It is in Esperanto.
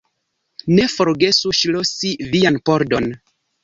Ne forgesu ŝlosi vian pordon.